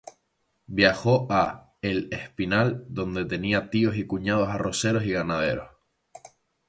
Viajó a El Espinal, donde tenía tíos y cuñados arroceros y ganaderos.